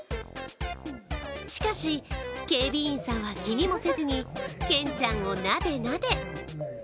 しかし、警備員さんは気にもせずにケンちゃんをなでなで。